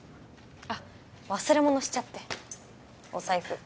あっ忘れ物しちゃってお財布